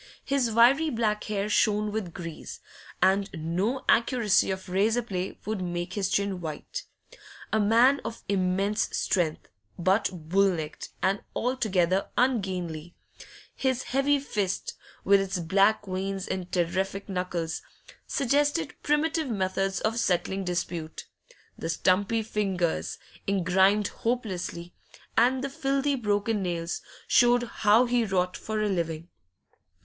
His wiry black hair shone with grease, and no accuracy of razor play would make his chin white. A man of immense strength, but bull necked and altogether ungainly his heavy fist, with its black veins and terrific knuckles, suggested primitive methods of settling dispute; the stumpy fingers, engrimed hopelessly, and the filthy broken nails, showed how he wrought for a living.